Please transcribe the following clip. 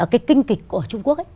cái kinh kịch của trung quốc